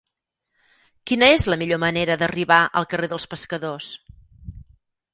Quina és la millor manera d'arribar al carrer dels Pescadors?